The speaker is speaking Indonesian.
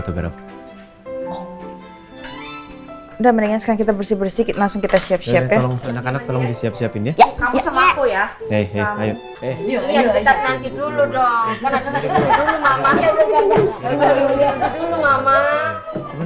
udah mendingan sekarang kita bersih bersih langsung kita siap siap ya